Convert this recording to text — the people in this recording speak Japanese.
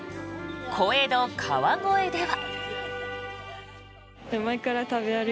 小江戸・川越では。